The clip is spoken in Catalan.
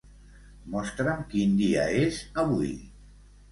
Mostra'm quin dia és avui.